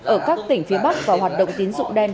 ở các tỉnh phía bắc và hoạt động tín dụng đen